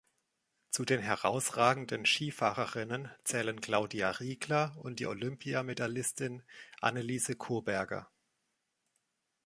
Zu den herausragenden Skifahrerinnen zählen Claudia Riegler und die Olympia-Medaillistin Annelise Coberger.